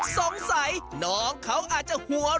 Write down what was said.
สงสัยน้องเขาอาจจะหัวร้อน